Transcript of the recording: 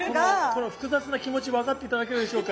この複雑な気持ち分かって頂けるでしょうか。